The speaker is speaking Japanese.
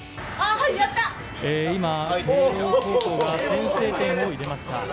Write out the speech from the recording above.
今、慶応高校が先制点を入れました。